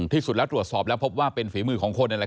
ที่สุดแล้วตรวจสอบแล้วพบว่าเป็นฝีมือของคน